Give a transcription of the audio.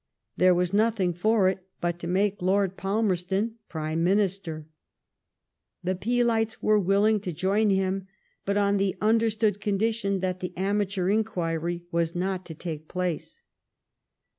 There was nothing for it but to make Lord Palmerston Prime Minister. The Peelites were willing to join him, but on the understood condition that the amateur inquiry was not to take place.